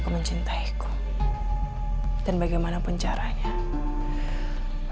aku akan menyingkirkan orang orang yang menghalangiku